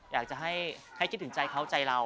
อยากจะให้คิดถึงใจเขาใจเรา